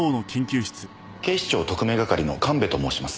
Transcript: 警視庁特命係の神戸と申します。